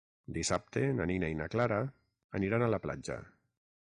Dissabte na Nina i na Clara aniran a la platja.